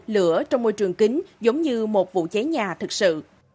lửa trong môi trường kính giống như một vụ cháy nhà thực sự